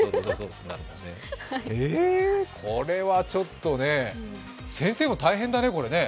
これはちょっとね、先生も大変だね